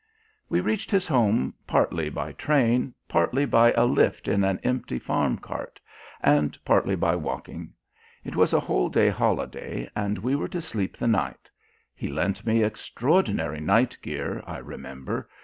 We reached his home partly by train, partly by a lift in an empty farm cart, and partly by walking. It was a whole day holiday, and we were to sleep the night; he lent me extraordinary night gear, I remember.